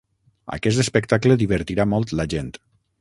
Aquest espectacle divertirà molt la gent.